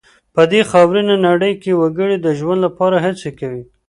په دې خاورینه نړۍ کې وګړي د ژوند لپاره هڅې کوي.